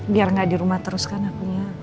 biar gak di rumah terus kan akunya